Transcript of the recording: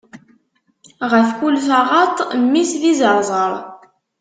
Ɣef kul taɣaṭ, mmi-s d izeṛzeṛ.